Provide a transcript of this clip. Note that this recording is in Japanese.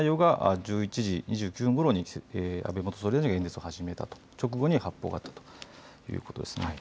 １１時２９分ごろに安倍総理が演説を始めた直後に発砲があったということです。